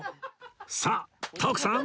さあ徳さん！